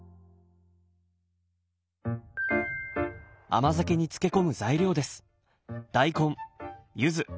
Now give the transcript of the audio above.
甘酒に漬け込む材料です。